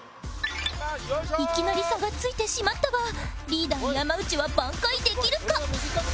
いきなり差がついてしまったがリーダー山内は挽回できるか？